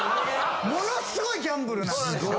ものすごいギャンブルなんです。